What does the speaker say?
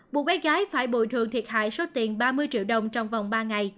buộc bé gái phải bồi thường thiệt hại số tiền ba mươi triệu đồng trong vòng ba ngày